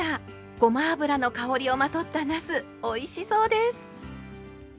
ごま油の香りをまとったなすおいしそうです！